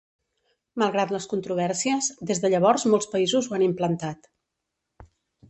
Malgrat les controvèrsies, des de llavors molts països ho han implantat.